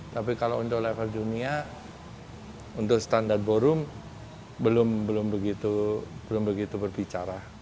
tapi kalau untuk level dunia untuk standar ballroom belum begitu berbicara